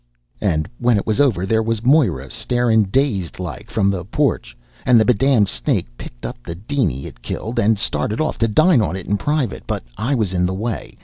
"And when it was over, there was Moira starin' dazed like from the porch, and the be damned snake picked up the diny it'd killed and started off to dine on it in private. But I was in the way.